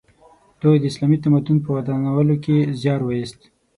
دوی د اسلامي تمدن په ودانولو کې زیار وایست.